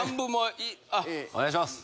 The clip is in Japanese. お願いします！